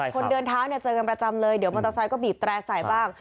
คนเดินเท้าเนี่ยเจอกันประจำเลยเดี๋ยวมอเตอร์ไซค์บีบแตร่ใส่บ้าง